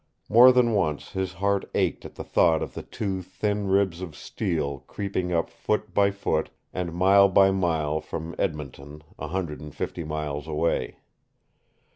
More than once his heart ached at the thought of the two thin ribs of steel creeping up foot by foot and mile by mile from Edmonton, a hundred and fifty miles away.